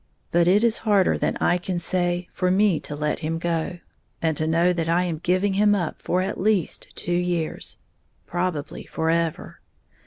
But it is harder than I can say for me to let him go, and to know that I am giving him up for at least two years, probably forever.